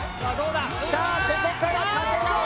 さあここから風が。